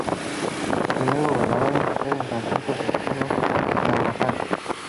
Su primer gobernador intendente fue Francisco Saavedra y Carvajal.